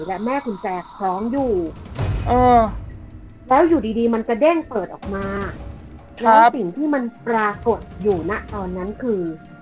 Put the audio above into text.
พร้อมอยู่เออแล้วอยู่ดีดีมันก็เด้งเปิดออกมาครับแล้วสิ่งที่มันปรากฏอยู่น่ะตอนนั้นคือ